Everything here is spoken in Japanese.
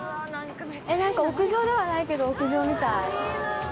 屋上ではないけど屋上みたい。